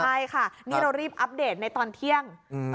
ใช่ค่ะนี่เรารีบอัปเดตในตอนเที่ยง